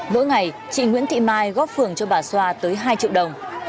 mỗi ngày chị nguyễn thị mai góp phường cho bà xoa tới hai triệu đồng